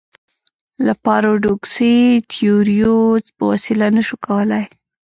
له پاراډوکسي تیوریو په وسیله نه شو کولای.